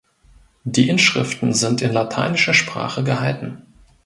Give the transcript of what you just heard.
Die Inschriften sind in lateinischer Sprache gehalten.